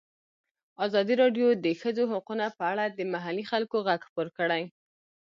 ازادي راډیو د د ښځو حقونه په اړه د محلي خلکو غږ خپور کړی.